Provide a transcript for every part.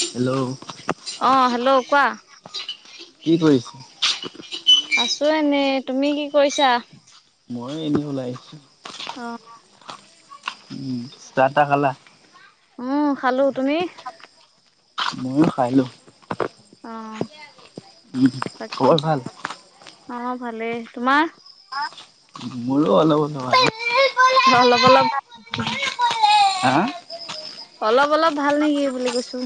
Hello. অ hello কোৱা? কি কৰিছ? আছো এনে। তুমি কি কৰিছা? মই এনেই ওলাই আহিছো। অ। উম চাহ তাহ খালা। উম খালো। তুমি? ময়ো খাই আহিলো। অ। উ বাকী খবৰ ভাল। অ ভালে তোমাৰ। মোৰো অলপ অলপ ভাল। অলপ অলপ ভাল। হা। অলপ অলপ ভাল নেকি বুলি কৈছো?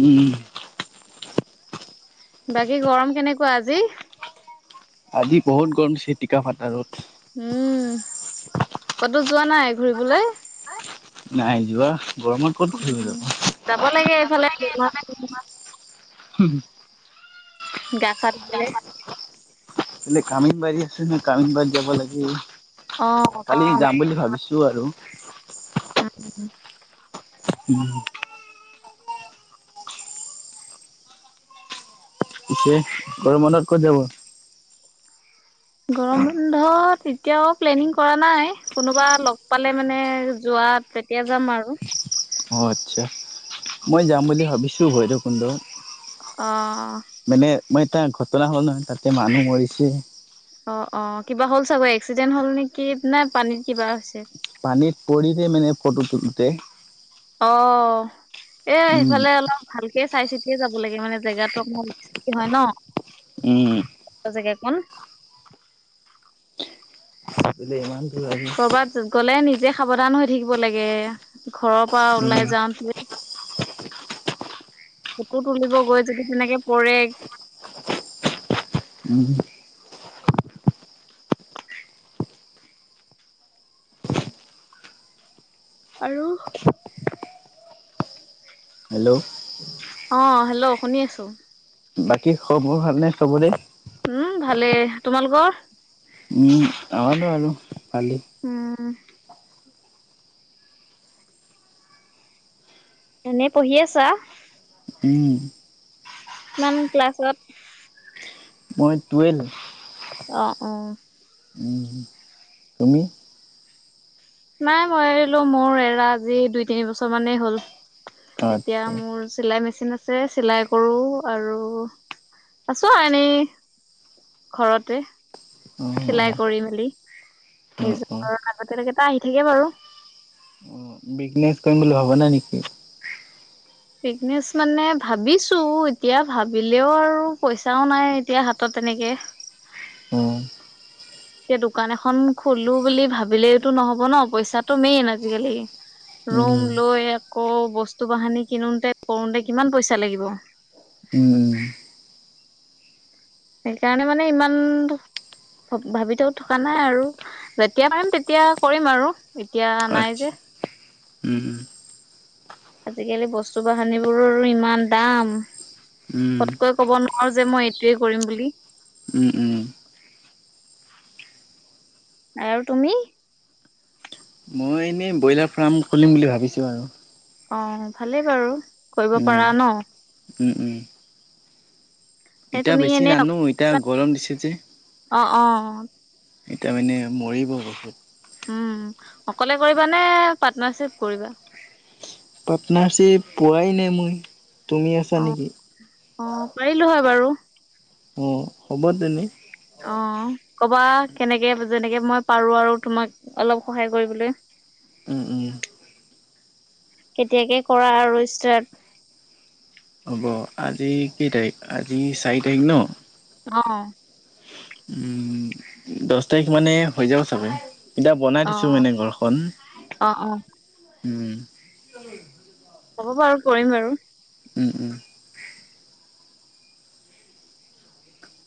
উম। বাকী গৰম কেনেকুৱা আজি? আজি বহুত গৰমছে টিকা ফাতা ৰদ। উম ক'তো যোৱা নাই ঘূৰিবলৈ? নাই যোৱা, গৰমত ক'ত ঘূৰিব যাব। উম যাব লাগে এইফালে। হুম হু। গাছা ধুই পেলাই। এলে কামিনবাৰী আছে নহয়। কামিনবাৰী যাব অ লাগে। কালি তেনেকুৱাই। যাম বুলি ভাবিছো আৰু। উম। উম। ছে গৰম বন্ধত ক'ত যাব। গৰম বন্ধত এতিয়াও প্লেনিং কৰা নাই। কোনোবা লগ পালে মানে যোৱা। বা তেতিয়া যাম আৰু। অ' আচ্ছা মই যাম বুলি ভাবিছো ভৈৰৱ কুণ্ডত। অহ। মই এটা ঘটনা হ'ল নহয় তাতে মানুহ মৰিছে। অ' অ' কিবা হ'ল চাগৈ? এক্সিডেণ্ট হ'ল নেকি না পানীত কিবা হৈছে। পানীত পৰিতে মানে ফটোটোতে। অ' এ সেইফালে অলপ ভালকে চাই চিতিয়ে যাব লাগে মানে। জেগা অ [inaudible] কি হয় ন উম জে। কন [unintelligible] ইমান দূৰ আহি কৰবাত গ'লে নিজে সাৱধান হৈ থাকিব লাগে। ঘৰৰ পৰা উম ওলাই যাওঁতে। [unintelligible] ফটো তুলিব গৈ যদি তেনেকে পৰে উম আৰু হেল্ল' অ' হেল্ল' শুনি আছো। বাকী খব মোৰ ভাল নে চবৰে? উম ভালে তোমালোকৰ? উম আহালো আৰু পালি [inaudible] উম এনেই পঢ়ি আছা? উম ইমান ক্লাছত মই টুৱেলভ অ' অ' উ তুমি নাই মই এৰিলো মোৰ এৰা আজি দুই তিনি বছৰ মানেই হ'ল। এতিয়া আচ্ছা মোৰ চিলাই মেচিন আছে চিলাই কৰো আৰু আছো আৰু এনেই ঘৰতে। অ অ চিলাই কৰি মেলি অ অ [unintelligible] অ' বিজনেচ কৰিম বুলি ভাবা নাই নেকি? বিজনেছ মানে ভাবিছো। এতিয়া ভাবিলেও আৰু পইচাও নাই এতিয়া হাতত। তেনেকে অ' এতিয়া দোকান এখন খোলো বুলি ভাবিলেইতো নহ'ব ন পইচাটো মেইন আজিকালি উম ৰুম লৈ আকৌ বস্তু বাহানি কিনোতে কৰোতে কিমান পইচা লাগিব। উম সেইকাৰণে মানে ইমান ভাবি থও থকা নাই আৰু যেতিয়া পাৰিম তেতিয়া কৰিম আৰু এতিয়া নাই যে [inaudible] আজিকালি বস্তু বাহানিবোৰৰ ইমান দাম উম উম সতকৈ ক'ব নোৱাৰো যে মই এইটোৱে কৰিম বুলি। উম উম আৰু তুমি? মই এনেই ব্ৰইলাৰ ফাৰ্ম খুলিম বুলি ভাবিছো আৰু অহ, ভালে বাৰু। কৰিব পাৰা উম- ন' উম -উম এতিয়া তুমি বেছি এনে নানো এতিয়া অ' গৰম দিছে যে অ' এতিয়া মানে মৰিব হৈছে উম, অকলে কৰিবা নে পাৰ্টনাৰশ্বিপ কৰিবা? পাৰ্টনাৰশ্বিপ পোৱাই নাই মই তুমি আছা নেকি? অহ, পাৰিলো হয় বাৰু। উম, হ'ব তেনে অ', ক'বা কেনেকে যেনেকে মই পাৰো আৰু তোমাক অলপ সহায় কৰিবলৈ উম- উম কেতিয়াকে কৰা আৰু ষ্টাৰ্ট? হ'ব আজি কেই তাৰিখ, আজি চাৰি তাৰিখ ন'? অ', উম, দছ তাৰিখ মানে হৈ যাব চাগে। এতিয়া বনাই থৈছো অ' মানে ঘৰখন অ' অ' উম। হ'ব বাৰু কৰিম বাৰু। উম- উম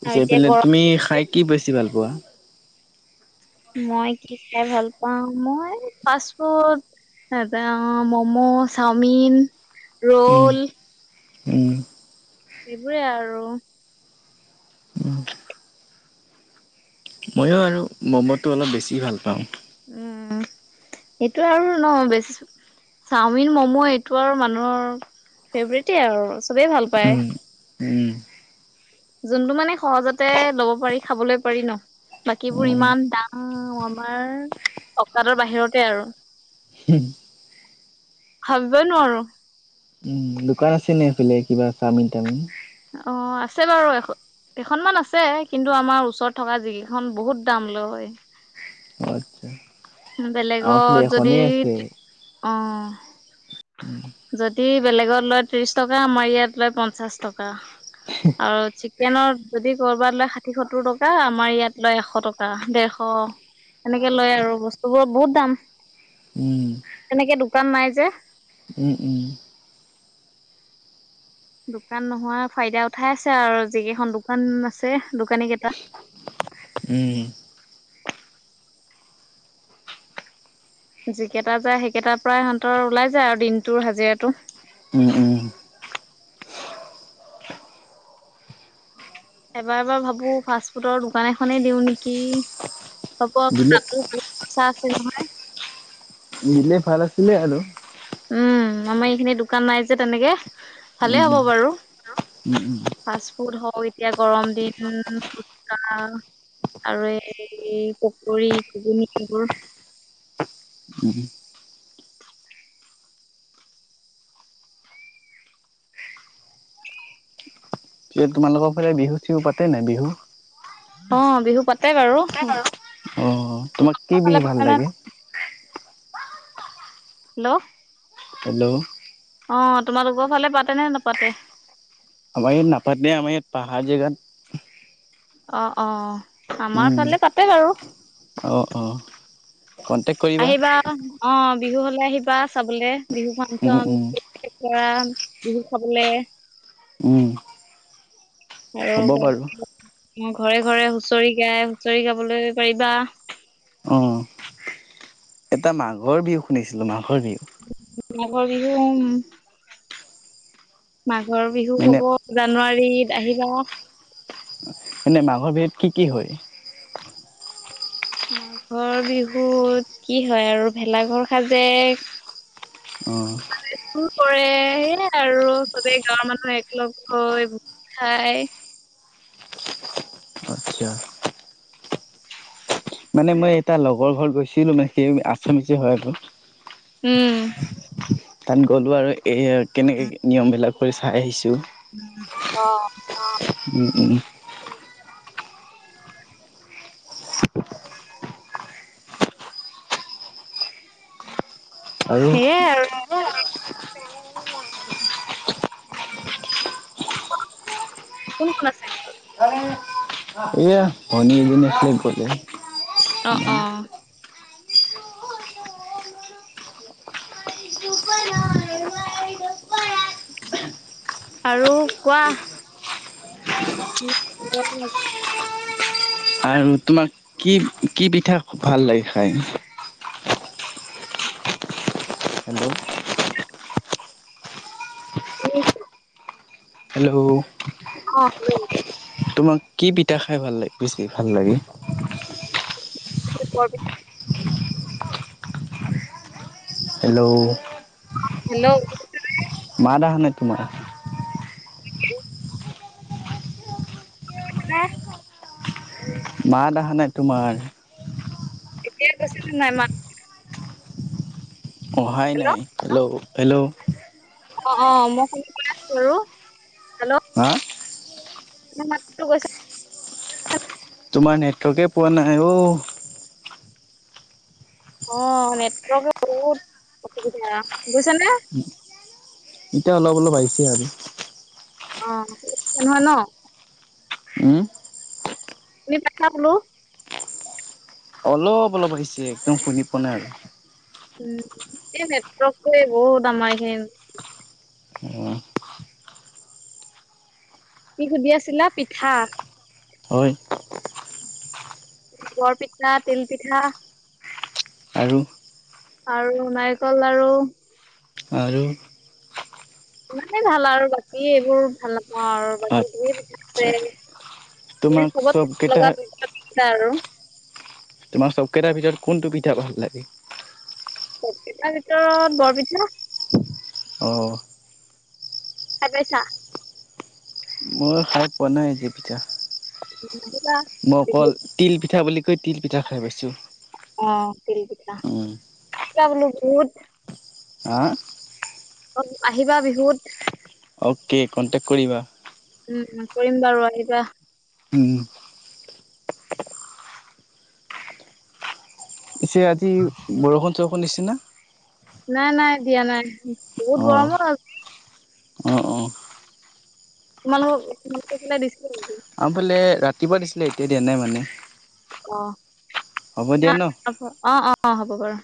পিছে, এতিয়া সেইফেলে গৰম তুমি খাই কি বেছি ভাল পোৱা? মই কি খাই ভাল পাওঁ, মই ফাষ্ট ফুড [unintelligible] মম, চাওমিন, উম, ৰোল উম সেইবোৰে আৰু অহ ময়ো আৰু ম'মটো অলপ বেছি ভাল পাওঁ। উম, সেইটো আৰু ন'বেছ চাওমিন, মম এইটো আৰু মানুহৰ ফেভৰেটেই আৰু চবেই ভাল পায়। উম, উম, যোনটো মানে সহজতে ল'ব পাৰি খাবলৈ পাৰি ন' বাকীবোৰ ইমান উম, দাম আমাৰ অকাদৰ বাহিৰতে আৰু হম [inaudible] ভাবিবই নোৱাৰো। উম, দোকান আছে নে এইফেলে কিবা চাওমিন তাওমিন? অ', আছে বাৰু এখ কেইখনমান আছে কিন্তু আমাৰ ওচৰত থকা জিকিখন বহুত দাম লয়। অ আচ্ছা। আমাৰ ফালে বেলেগত যদি এখনেই আছে। অহ যদি তি বেলেগত লয় ত্ৰিছ টকা আমাৰ ইয়াত লয় পঞ্চাছ টকা। আৰু চিকেনৰ যদি কৰ'বাত লয় ষাঠি, সত্তৰ টকা আমাৰ ইয়াত লয় এশ টকা, দেৰশ অহ, সেনেকে লয় আৰু বস্তু হব বহুত দাম উম, তেনেকে দোকান নাই যে। [inaudible] দোকান নোহোৱা ফাইদা উঠাই আছে আৰু যিকেইখন দোকান আছে দোকানী কেইটা। উম। যিকেইটা যায় সেইকেইটাৰ পৰাই ইহঁতৰ ওলাই যায় আৰু দিনটোৰ হাজিৰাটো। উম, উম। এবাৰ এবাৰ ভাবো ফাষ্ট ফুডৰ দোকান এখনেই দিওঁ নেকি! হ'ব দিলে তাতো বহুত খৰছা আছে নহয়। নিলে ভাল আছিলে আৰু। উম, আমাৰ এইখিনি দোকান নাই যে তেনেকে। ভালে উম, হ'ব উম, বাৰু। উম, উম, ফাচ ফুড হয়এতিয়া গৰম দিন ফুচকা আৰু এই পকৰি ঘূগুণী এইবোৰ। উম। তোমালোকৰ ফালে বিহু-চিহু পাতে নাই বিহু? অ, বিহু পাতে। বাৰু অ, তোমাক কি তোমালোকৰ বিহু ফালে ভাল পাতে নে লাগে? হেল্ল'। হেল্ল'। অ, তোমাৰালোকৰ ফালে পাতে নে নাপাতে? আমাৰ ইয়াত নাপাতে। আমাৰ ইয়াত পাহাৰ জেগাত অ, অ আমাৰ উম, ফালে পাতে বাৰু। অ', অ', কণ্টেক্ট কৰিবা। আহিবা, অ বিহু হলে আহিবা চাবলে। বিহু উম, ফাংচন উম, [unintelligible] বিহু খাবলে। উম। আৰু হ'ব বাৰু। [unintelligible] ঘৰে ঘৰে হুঁচৰি গাই, হুঁচৰি গাবলৈ পাৰিবা। অ', এটা মাঘৰ বিহু শুনিছিলোঁ, মাঘৰ বিহু। মাঘৰ বিহু অ উম। মাঘৰ বিহু মানে হ'ব, জানুৱাৰীত আহিবা। এনে মাঘৰ বিহুত কি কি হয়? মাঘৰ বিহুত কি হয় আৰু ভেলাঘৰ সাজে, [inaudible] চুৰ কৰে। সেয়াই আৰু চবেই গাঁৱৰ মানুহ একলগ হৈ গোট খাই আচ্ছা। মানে মই এটা লগৰ ঘৰত গৈছিলো মানে সেই আছামিছে হয় আৰু। উম। তাত গ'লো আৰু এ কেনেকে নিয়ম বিলাক হয় চাই আহিছো। অ। উম উম। আৰু সেইয়াই আৰু [unintelligible] [unintelligible] কোন কোন আছে ঘৰত? এয়া ভনি এজনী আছিলে গ'লে। অ ইমান অ। [inaudible] আৰু কোৱা? [unintelligible] আৰু তোমাক কি, কি পিঠা ভাল লাগে খাই? [inaudible] হেল্ল'। [unintelligible] [unintelligible] হেল্ল'? অহ হেল্ল। তোমাক কি পিঠা খাই ভাল লাগে, বেছি ভাল লাগে? ভাপৰ পিঠা। হেল্ল'! হেল্লও [unintelligible] মাত আহা নাই তোমাৰ। [unintelligible] হে? মাত আহা নাই তোমাৰ। এতিয়া গৈছে নে নাই মাত? অঁহাই হেল্ল' নাই। হেল্ল' হেল্ল' অ অ। মই শুনি পাই আছোঁ বাৰু হেল্ল' হা? মোৰ মাতটো গৈছে? তোমাৰ নেটৱৰ্কে পোৱা নাই অ' অ' নেটৱৰ্কে বহুত অসুবিধা বুজিছা নে? এতিয়া অলপ-অলপ আহিছে আৰু। অ' নহয় ন? উম শুনি পাইছা বুলো? অলপ-অলপ আহিছে একদম শুনি পোৱা নাই আৰু উম, এই নেটৱৰ্ককৰে বহুত আমাৰ এইখিনি আৰু অ কি সুধি আছিলা, পিঠা? হয়। বৰপিঠা তিল পিঠা আৰু আৰু নাৰিকল লাৰু আৰু ইমানেই ভাল আৰু বাকী এইবোৰ ভাল নহয় আৰু বাকী ধেই পিঠা আচ্ছা আছে তোমাক তুমি চবত চবকেইটা লগা [unintelligible] পিঠা আৰু তোমাৰ চবকেটাৰ ভিতৰত কোনটো পিঠা ভাল লাগে। পিঠাৰ ভিতৰত বৰপিঠা অ খাই পইছা মই খাই পোৱা নাই এইটো পিঠা আহিবা মই অকল বিহুত তিল পিঠা বুলি কৈ তিল পিঠা খাই পাইছো অ তিল পিঠা, পিঠা বোলে বহুত হা অ আহিবা বিহুত অ'কে কণ্টেক্ট কৰিবা। উম কৰিম বাৰু আহিবা। উম পছে আজি বৰষুণ চৰষুণ দিচেনা। নাই নাই দিয়া নাই বহুত গৰম অ আজি। অ', অ'। তোমালোক [unintelligible] দিছে আমাৰ ফালে ৰাতিপুৱা দিছিলে এতিয়া দিয়া নাই মানে অ হ'ব না দিয়া ন? অ অ অ হ'ব বাৰু